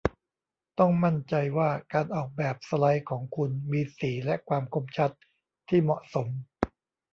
ต้องมั่นใจว่าการออกแบบสไลด์ของคุณมีสีและความคมชัดที่เหมาะสม